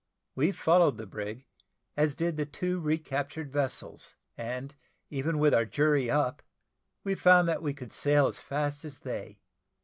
We followed the brig, as did the two recaptured vessels, and even with our jury up, we found that we could sail as fast as they.